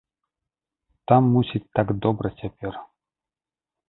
Там, мусіць, так добра цяпер!